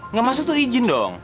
nggak masuk tuh izin dong